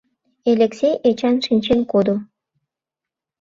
Элексей Эчан шинчен кодо.